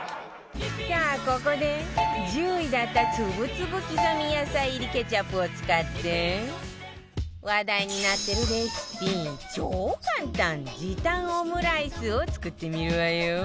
さあここで１０位だったつぶつぶ刻み野菜入りケチャップを使って話題になってるレシピ超簡単時短オムライスを作ってみるわよ